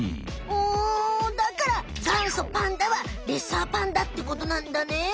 うんだからがんそパンダはレッサーパンダってことなんだね。